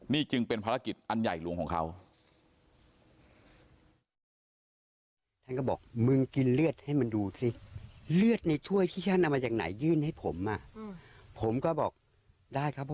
นี่จึงเป็นภารกิจอันใหญ่หลวงของเขา